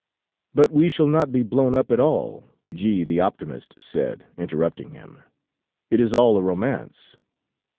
"But we shall not be blown up at all," G the optimist, said, interrupting him. "It is all a romance."